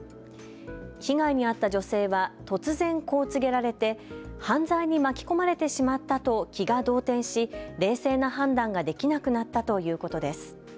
被害に遭った女性は突然、こう告げられて犯罪に巻き込まれてしまったと気が動転し、冷静な判断ができなくなったということです。